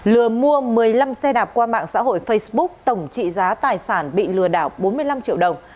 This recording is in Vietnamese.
lừa mua một mươi năm xe đạp qua mạng xã hội facebook tổng trị giá tài sản bị lừa đảo bốn mươi năm triệu đồng